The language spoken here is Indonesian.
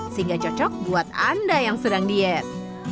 sehingga cocok buat anda yang sedang diet